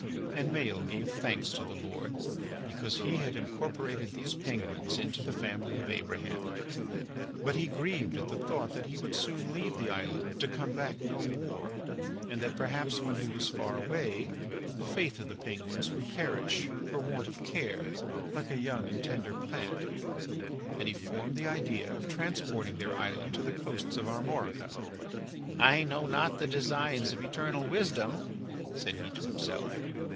And Maël gave thanks to the Lord, because he had incorporated these penguins into the family of Abraham. But he grieved at the thought that he would soon leave the island to come back no more, and that perhaps when he was far away the faith of the penguins would perish for want of care like a young and tender plant. And he formed the idea of transporting their island to the coasts of Armorica. "I know not the designs of eternal Wisdom," said he to himself.